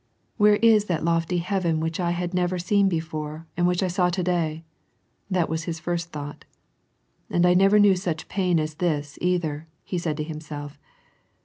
" Where is that lofty heaven which I had never seen before, and which I saw to day ?" That was his first thought. " And I never knew such pain as this, either," he said to himself.